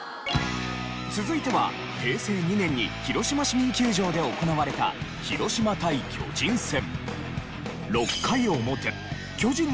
続いては平成２年に広島市民球場で行われた広島対巨人戦。